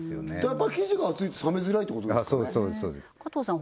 やっぱ生地が厚いと冷めづらいってことなんですかね加藤さん